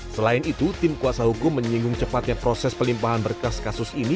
selain itu tim kuasa hukum menyinggung cepatnya proses pelimpahan berkas kasus ini